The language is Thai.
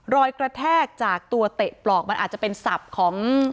รอยกระแทกจากตัวเตะปลอกมันอาจจะเป็นศัพท์ของ